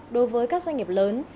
đối với các doanh nghiệp lớn